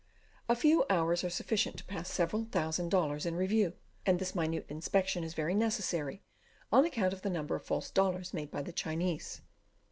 A few hours are sufficient to pass several thousand dollars in review; and this minute inspection is very necessary, on account of the number of false dollars made by the Chinese.